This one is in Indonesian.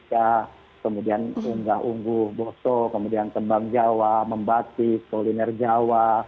hai riga kemudian ringer ungguh bahasa jawa kemudian kembang jawa membati polyniper jawa